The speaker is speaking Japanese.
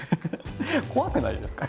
怖くないですか？